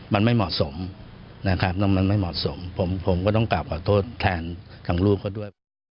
มันไม่เหมาะสมผมก็ต้องกลับขอโทษแทนของลูกเขาด้วย